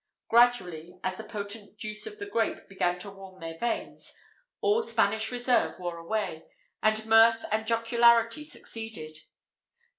Gradually, as the potent juice of the grape began to warm their veins, all Spanish reserve wore away, and mirth and jocularity succeeded.